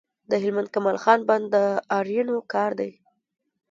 د هلمند کمال خان بند د آرینو کار دی